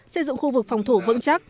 xây dựng khu vực phòng thủ vững chắc